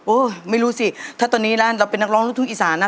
ไม่รู้สิถ้าตอนนี้ร้านเราเป็นนักร้องลูกทุ่งอีสานนะ